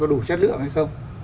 có đủ chất lượng hay không